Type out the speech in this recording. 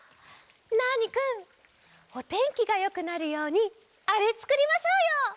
ナーニくんおてんきがよくなるようにあれつくりましょうよ！